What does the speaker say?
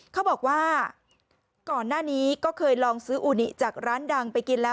เขาบอกว่าก่อนหน้านี้ก็เคยลองซื้ออูนิจากร้านดังไปกินแล้ว